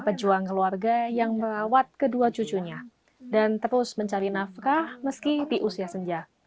pejuang keluarga yang merawat kedua cucunya dan terus mencari nafkah meski di usia senja